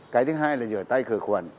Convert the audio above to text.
cái thứ hai là rửa tay khởi khuẩn